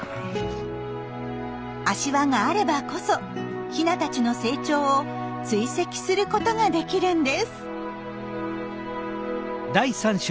足環があればこそヒナたちの成長を追跡することができるんです。